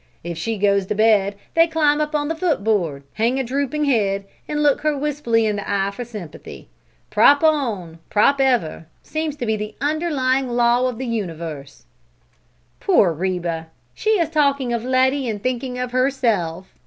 If she goes to bed, they climb up on the footboard, hang a drooping head, and look her wistfully in the eye for sympathy. Prop on, prop ever, seems to be the underlying law of the universe!" "Poor Reba! She is talking of Letty and thinking of herself!"